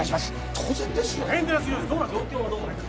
当然です